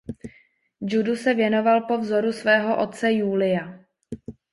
Judu se věnoval po vzoru svého otce Julia.